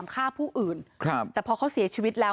ผมก็ตั้งแต่ปัญหากินไม่เล่น